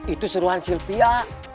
itu seruhan silvia